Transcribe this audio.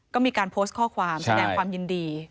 ก็มีการโพสต์ข้อความแสดงความยินดี